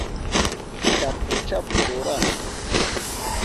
chapu chapu rurana